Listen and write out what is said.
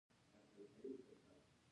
د سپرم د حرکت لپاره ویټامین سي وکاروئ